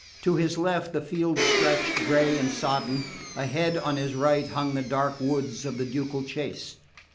To his left the field stretched, grey and sodden; ahead, on his right, hung the dark woods of the ducal chase.